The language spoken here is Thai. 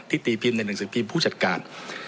ที่ตีปริมในหังสีพรีมผู้จัดการ